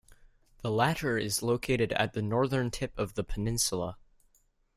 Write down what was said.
The latter is located at the northern tip of the peninsula.